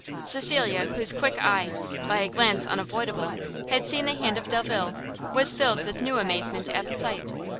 Cecilia, whose quick eye, by a glance unavoidable, had seen the hand of Delvile, was filled with new amazement at the sight.